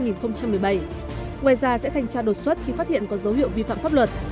ngoài ra sẽ thanh tra đột xuất khi phát hiện có dấu hiệu vi phạm pháp luật